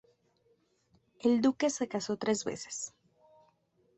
El duque se casó tres veces.